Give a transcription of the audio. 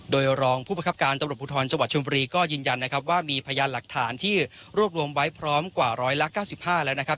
โดยรองผู้ประคับการตรวจบุทรศาสตร์ชมก็ยืนยันว่ามีพยานหลักฐานที่รวบรวมไว้พร้อมกว่า๑๙๕แล้วนะครับ